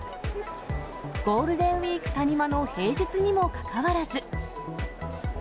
ゴールデンウィーク谷間の平日にもかかわらず。